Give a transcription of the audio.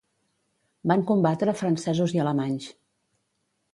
Van combatre francesos i alemanys.